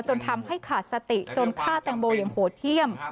จนทำให้ขาดสติจนฆ่าแตงโมอย่างโหดเยี่ยม